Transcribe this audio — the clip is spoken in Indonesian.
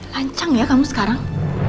lancang ya kamu sekarang